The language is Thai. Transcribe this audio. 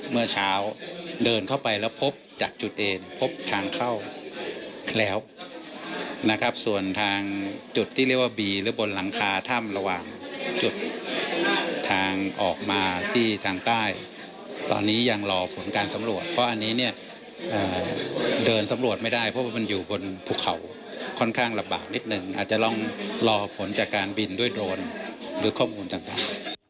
เมื่อเช้าเดินเข้าไปแล้วพบจากจุดเอนพบทางเข้าแล้วนะครับส่วนทางจุดที่เรียกว่าบีหรือบนหลังคาถ้ำระหว่างจุดทางออกมาที่ทางใต้ตอนนี้ยังรอผลการสำรวจเพราะอันนี้เนี่ยเดินสำรวจไม่ได้เพราะว่ามันอยู่บนภูเขาค่อนข้างลำบากนิดหนึ่งอาจจะลองรอผลจากการบินด้วยโดรนหรือข้อมูลต่าง